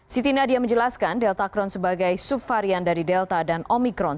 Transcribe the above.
siti nadia menjelaskan delta crohn sebagai sub varian dari delta dan omikron